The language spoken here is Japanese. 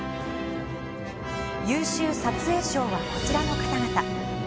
優秀撮影賞はこちらの方々。